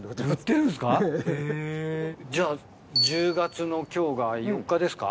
じゃあ１０月の今日が４日ですか。